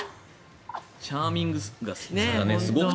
チャーミングさがすごくて。